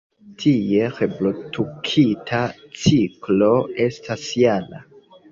Ties reprodukta ciklo estas jara.